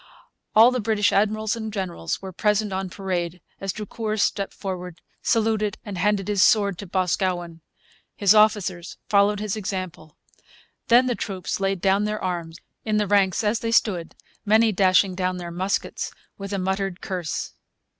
All the British admirals and generals were present on parade as Drucour stepped forward, saluted, and handed his sword to Boscawen. His officers followed his example. Then the troops laid down their arms, in the ranks as they stood, many dashing down their muskets with a muttered curse.